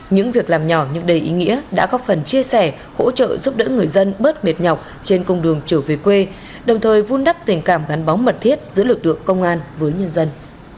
những việc làm nhỏ nhưng đầy ý nghĩa đã góp phần chia sẻ hỗ trợ giúp đỡ người dân bớt mệt nhọc trên công đường trở về quê đồng thời vun đắp tình cảm gắn bóng mật thiết giữa lực lượng công an với nhân dân